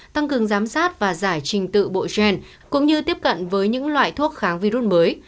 tăng cường giám sát và giải trình tự bộ gen cũng như tiếp cận với những loại thuốc kháng virus mới